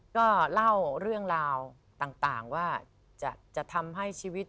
ก็เล่าเรื่องราวต่างว่าจะทำให้ชีวิต